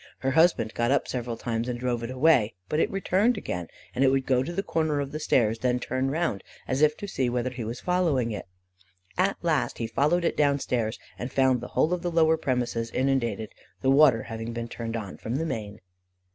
Her husband got up several times, and drove it away, but it returned again, and would go to the corner of the stairs, and then turn round, as if to see whether he was following it. At last he followed it down stairs, and found the whole of the lower premises inundated, the water having been turned on from the main.